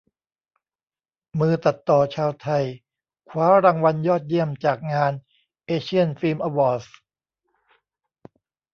มือตัดต่อชาวไทย คว้ารางวัลยอดเยี่ยมจากงาน "เอเชียน ฟิล์ม อวอร์ดส์"